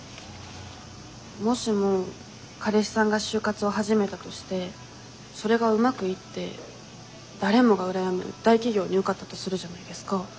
もしも彼氏さんが就活を始めたとしてそれがうまくいって誰もが羨む大企業に受かったとするじゃないですか。